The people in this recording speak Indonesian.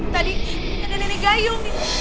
tadi ada nenek gayung